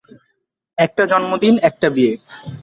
একটা জন্মদিন, একটা বিয়ে।